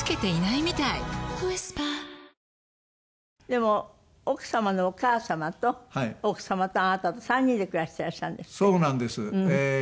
でも奥様のお母様と奥様とあなたと３人で暮らしてらっしゃるんですって？